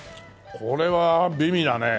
これは美味だね。